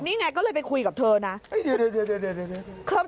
นี่ไงก็เลยไปคุยกับเธอนะเดี๋ยว